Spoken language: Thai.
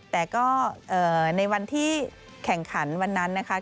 แต่ก็ในวันที่แข่งขันวันนั้นนะคะ